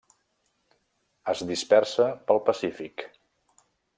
Es dispersa pel Pacífic.